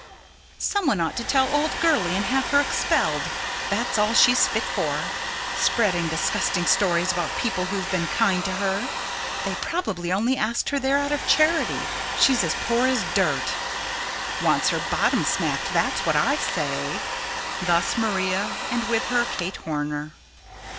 "Someone ought to tell old Gurley and have her expelled. That's all she's fit for. Spreading disgusting stories about people who've been kind to her. They probably only asked her there out of charity. She's as poor as dirt." "Wants her bottom smacked that's what I say!" Thus Maria, and, with her, Kate Horner.